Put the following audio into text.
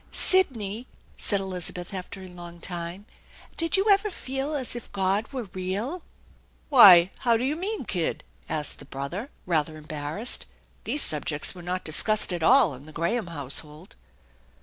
" Sidney/' said Elizabeth after a long time, " did you ever feel as if God were real ?"" Why, how do you mean, kid ?" asked the brother, rather embarrassed. These subjects were not discussed at all in the Graham household.